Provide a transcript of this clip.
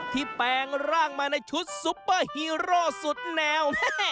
แปลงร่างมาในชุดซุปเปอร์ฮีโร่สุดแนว